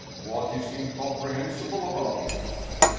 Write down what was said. " What is incomprehensible about it